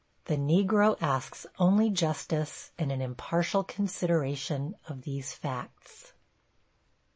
The Negro asks only justice and an impartial consideration of these facts.